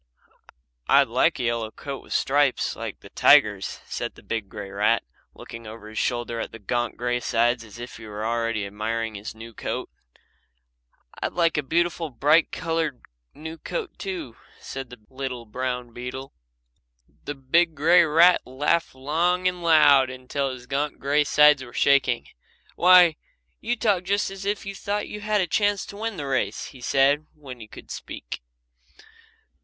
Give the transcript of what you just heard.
"I'd like a yellow coat with stripes like the tiger's," said the big grey rat, looking over his shoulder at his gaunt grey sides as if he were already admiring his new coat. "I'd like a beautiful, bright coloured new coat, too," said the little brown beetle. The big grey rat laughed long and loud until his gaunt grey sides were shaking. "Why, you talk just as if you thought you had a chance to win the race," he said, when he could speak.